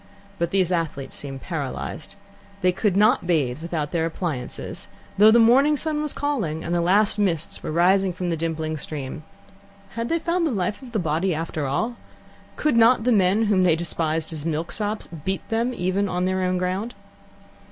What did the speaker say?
But these athletes seemed paralysed. They could not bathe without their appliances, though the morning sun was calling and the last mists were rising from the dimpling stream. Had they found the life of the body after all? Could not the men whom they despised as milksops beat them, even on their own ground?